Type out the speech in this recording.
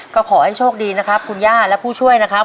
ก็ขอให้โชคดีนะครับคุณย่าและผู้ช่วยนะครับ